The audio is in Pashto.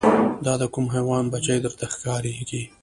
دا د کوم حیوان بچی درته ښکاریږي